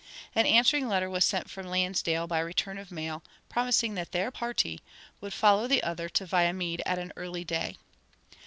An answering letter was sent from Lansdale by return of mail, promising that their party would follow the other to Viamede at an early day.